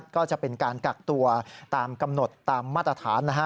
ก็จะเป็นการกักตัวตามกำหนดตามมาตรฐาน